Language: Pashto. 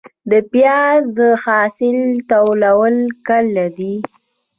د پیاز د حاصل ټولول کله دي؟